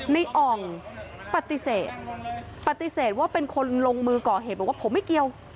อ่องปฏิเสธปฏิเสธว่าเป็นคนลงมือก่อเหตุบอกว่าผมไม่เกี่ยว